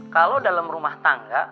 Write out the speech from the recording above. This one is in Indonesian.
kalau dalam rumah tangga